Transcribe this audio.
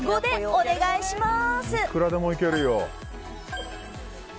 お願いします。